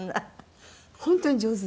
本当に上手です。